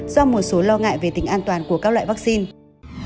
do một số lo ngại về tính an toàn của các loại vaccine